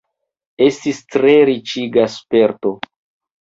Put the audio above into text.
Estis tre riĉiga sperto!